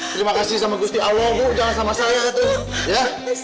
terima kasih sama gusti allah bu jangan sama saya tuh ya